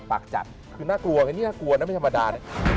ปากจัดคือน่ากลัวนี่ถ้ากลัวน่ะไม่ธรรมดา